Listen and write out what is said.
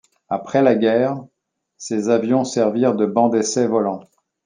Après la guerre, ces avions servirent de bancs d'essais volants.